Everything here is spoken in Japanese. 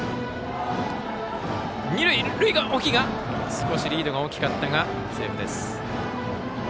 少しリードが大きかったがセーフです。